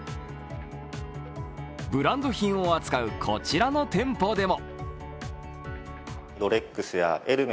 ブランド品を扱うこちらの店舗でも。